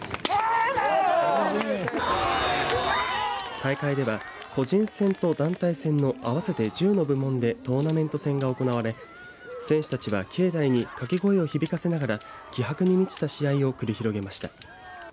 大会では個人戦と団体戦の合わせて１０の部門でトーナメント戦が行われ選手たちは境内に掛け声を響かせながら気迫に満ちた試合を繰り広げました。